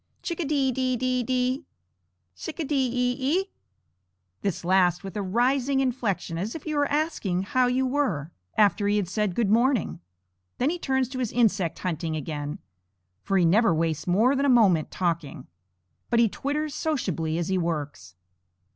Chick a dee dee dee dee! Tsic a de e e? this last with a rising inflection, as if he were asking how you were, after he had said good morning. Then he turns to his insect hunting again, for he never wastes more than a moment talking. But he twitters sociably as he works.